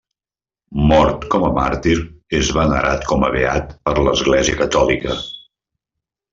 Mort com a màrtir, és venerat com a beat per l'Església Catòlica.